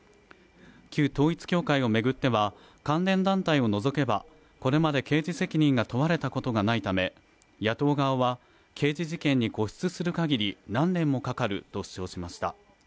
旧統一教会をめぐっては関連団体を除けばこれまで刑事責任が問われたことがないため野党側は刑事事件に固執する限り何年もかかると主張しました